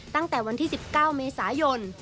ตั้งแต่วันที่๑๙เมษายน